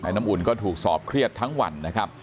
น้ำอุ่นก็ถูกสอบเครียดทั้งวันนะครับ